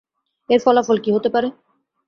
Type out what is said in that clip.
এর ফলাফল কি হতে পারে?